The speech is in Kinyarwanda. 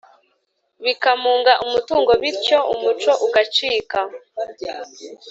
bikamunga umutungo bityo umuco ugacika